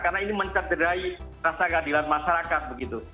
karena ini mencenderai rasa keadilan masyarakat begitu